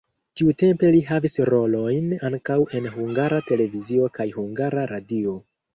Tiutempe li havis rolojn ankaŭ en Hungara Televizio kaj Hungara Radio.